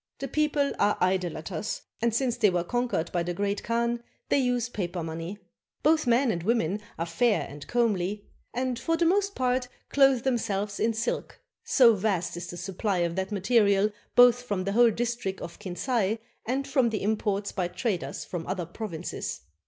The people are idolaters; and since they were con quered by the Great Khan they use paper money. Both men and women are fair and comely, and for the most part clothe themselves in silk, so vast is the supply of that material, both from the whole district of Kinsay and from the imports by traders from other provinces.